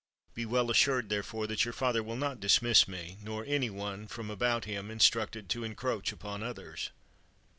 Be well assured, there fore, that your father will not dismiss me, nor any one, from about him, instructed to encroach upon others."